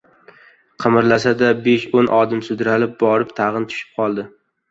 Qimirlasa-da, besh-o‘n odim sudralib borib, tag‘in tushib qoldi.